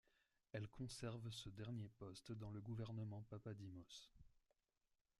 Elle conserve ce dernier poste dans le gouvernement Papadímos.